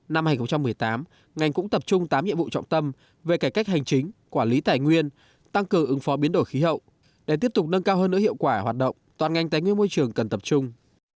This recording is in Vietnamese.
năm hai nghìn một mươi tám ngành cũng tập trung tám nhiệm vụ trọng tâm về cải cách hành chính quản lý tài nguyên tăng cường ứng phó biến đổi khí hậu để tiếp tục nâng cao hơn nữa hiệu quả hoạt động toàn ngành tài nguyên môi trường cần tập trung